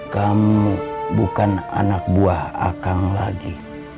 kamu bukan anak buah akang lagi